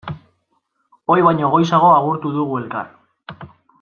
Ohi baino goizago agurtu dugu elkar.